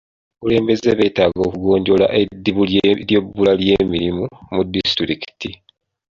Abakulembeze betaaga okugonjoola eddibu ery'ebbula lyemirimu mu disitulikiti .